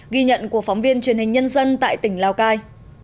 ghi nhận của phóng viên truyền hình nhân dân tại tỉnh lào cai